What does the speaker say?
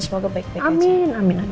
semoga baik baik aja